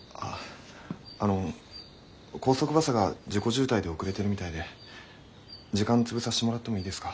あの高速バスが事故渋滞で遅れてるみたいで時間潰させてもらってもいいですか？